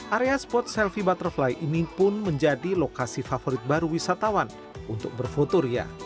area spot selfie butterfly ini pun menjadi lokasi favorit baru wisatawan untuk berfotoria